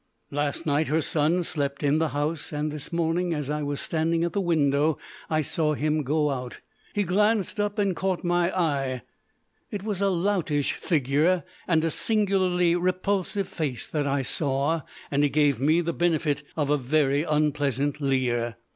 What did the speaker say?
Last night her son slept in the house, and this morning as I was standing at the window I saw him go out. He glanced up and caught my eye. It was a loutish figure and a singularly repulsive face that I saw, and he gave me the benefit of a very unpleasant leer.